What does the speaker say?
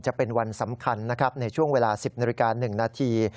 จะเป็นวันสำคัญนะครับในช่วงเวลา๑๐นาฬิกา๑นาที